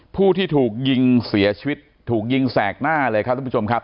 ผู้ที่ถูกยิงเสียชีวิตถูกยิงแสกหน้าเลยครับทุกผู้ชมครับ